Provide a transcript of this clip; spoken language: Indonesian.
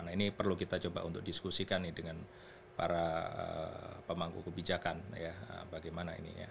nah ini perlu kita coba untuk diskusikan nih dengan para pemangku kebijakan ya bagaimana ini ya